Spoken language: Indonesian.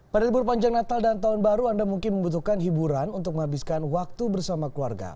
pada libur panjang natal dan tahun baru anda mungkin membutuhkan hiburan untuk menghabiskan waktu bersama keluarga